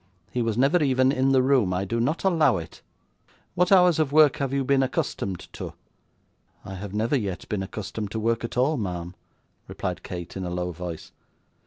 He was never even in the room. I do not allow it. What hours of work have you been accustomed to?' 'I have never yet been accustomed to work at all, ma'am,' replied Kate, in a low voice.